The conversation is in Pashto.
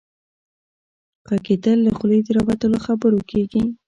ږغيدل له خولې د راوتلو خبرو کيږي.